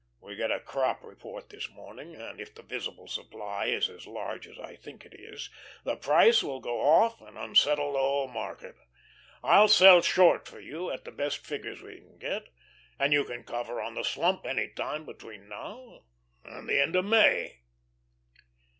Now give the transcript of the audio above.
We get a crop report this morning, and if the visible supply is as large as I think it is, the price will go off and unsettle the whole market. I'll sell short for you at the best figures we can get, and you can cover on the slump any time between now and the end of May."